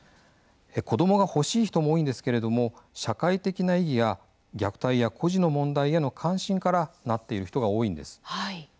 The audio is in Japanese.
子どもが欲しい人も多いんですけれども社会的な意義や虐待や孤児の問題への関心からなっている人が多いんです。